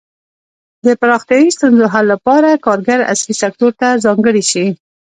د پراختیايي ستونزو حل لپاره کارګر عصري سکتور ته ځانګړي شي.